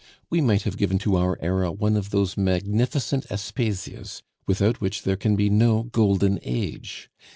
We might have given to our era one of those magnificent Aspasias without which there can be no golden age.